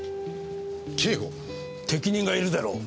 適任がいるだろう。